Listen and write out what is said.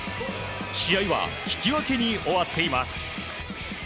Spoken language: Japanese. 試合は引き分けに終わっています。